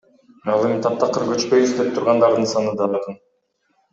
Ал эми таптакыр көчпөйбүз деп тургандардын саны да арбын.